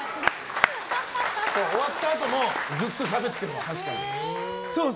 終わったあともずっとしゃべってるもん。